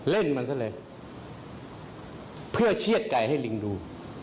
เล่นมันซะเลยเพื่อเชีดไก่ให้ลิงดู